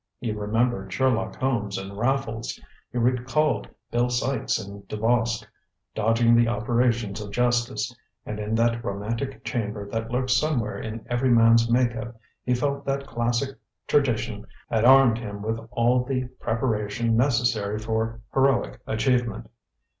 He remembered Sherlock Holmes and Raffles; he recalled Bill Sykes and Dubosc, dodging the operations of justice; and in that romantic chamber that lurks somewhere in every man's make up, he felt that classic tradition had armed him with all the preparation necessary for heroic achievement.